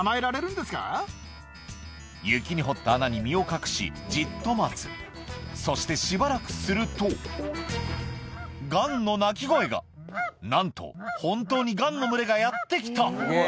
雪に掘った穴に身を隠しじっと待つそしてしばらくするとガンの鳴き声がなんと本当にガンの群れがやって来た！